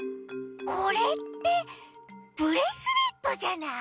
これってブレスレットじゃない？